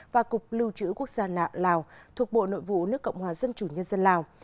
và cục lưu trữ quốc gia lào thuộc bộ nội vụ nước cộng hòa dân chủ nhân dân lào